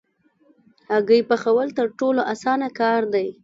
هګۍ پخول تر ټولو اسانه کار دی.